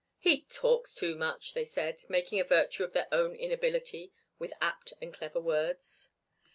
"He talks too much," they said, making a virtue of their own inability with apt and clever words.